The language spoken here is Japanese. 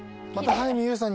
早見優さん